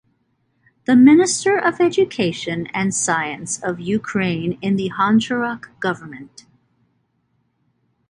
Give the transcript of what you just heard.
The Minister of Education and Science of Ukraine in the Honcharuk Government.